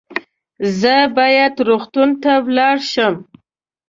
زه باید روغتون ته ولاړ شم